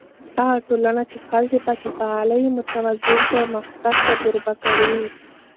هغه ټولنه چې ښځې پکې فعاله وي، متوازن پرمختګ تجربه کوي.